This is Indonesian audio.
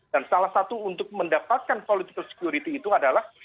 dan salah satu untuk mendapatkan political security itu adalah